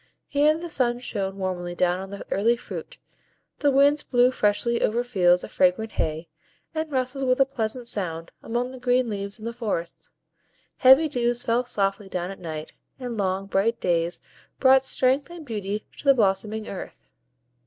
Here the sun shone warmly down on the early fruit, the winds blew freshly over fields of fragrant hay, and rustled with a pleasant sound among the green leaves in the forests; heavy dews fell softly down at night, and long, bright days brought strength and beauty to the blossoming earth.